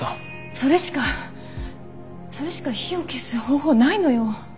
それしかそれしか火を消す方法はないのよ。